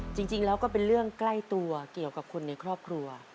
จริงแล้วก็เป็นเรื่องใกล้ตัวเกี่ยวกับคนในครอบครัว